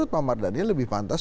padanya lebih pantas